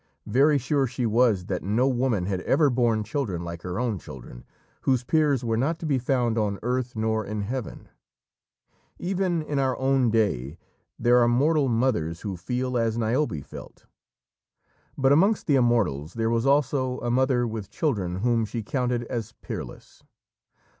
Very sure she was that no woman had ever borne children like her own children, whose peers were not to be found on earth nor in heaven. Even in our own day there are mortal mothers who feel as Niobe felt. But amongst the Immortals there was also a mother with children whom she counted as peerless.